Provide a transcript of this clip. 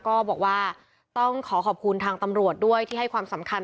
ก็บอกว่าต้องขอขอบคุณทางตำรวจด้วยที่ให้ความสำคัญ